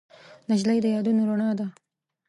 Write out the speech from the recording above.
نجلۍ د یادونو رڼا ده.